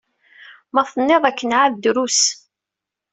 Ma tenniḍ akken ɛad drus.